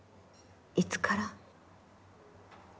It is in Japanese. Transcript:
いつから？